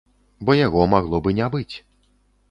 Бо яго магло б і не быць.